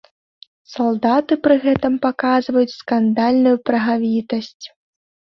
Салдаты пры гэтым паказваюць скандальную прагавітасць.